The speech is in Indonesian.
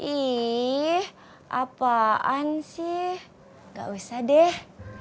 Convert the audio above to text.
ih apaan sih gak usah deh